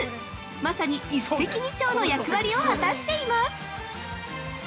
まさに一石二鳥の役割を果たしています。